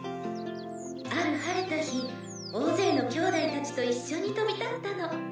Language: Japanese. ある晴れた日大勢のきょうだいたちと一緒に飛び立ったの。